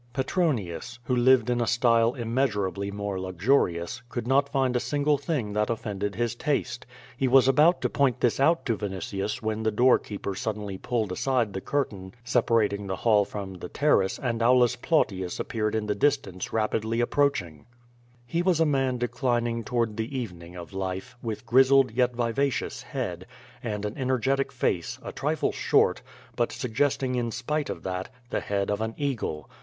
Petronius, who lived in a style immeasurably more luxur ious, could not find a single thing that offended his taste. He was about to point this out to Vinitius when the door keei)er suddenly pulled aside the curtain separating the hall from the terrace and Aulus Plautius appeared in the distance rap idly approaching. 24 Q^O VADI8. He was a man declining toward the evening of life, with grizzled, yet vivacious, head, and an energetic face, a trifle short, but suggesting in spite of that, the head of an eagle.